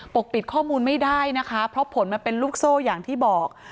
กปิดข้อมูลไม่ได้นะคะเพราะผลมันเป็นลูกโซ่อย่างที่บอก